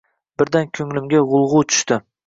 Birdan ko‘nglimga g‘ulg‘u tushdi.